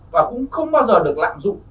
và cũng không bao giờ được lạm dụng